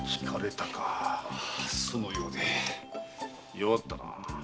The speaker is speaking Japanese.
弱ったなあ。